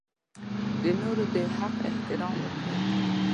د نورو د حق احترام وکړئ.